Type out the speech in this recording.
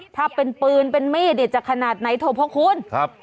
ถ้าเป็นปืนเป็นเม่เด็ดจากขนาดไหนโทรพวกคุณ